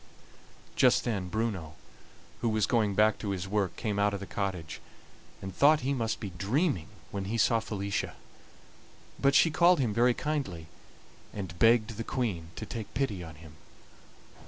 Just then Bruno, who was going back to his work, came out of the cottage, and thought he must be dreaming when he saw Felicia; but she called him very kindly, and begged the Queen to take pity on him.